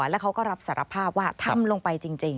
แล้วเขาก็รับสารภาพว่าทำลงไปจริง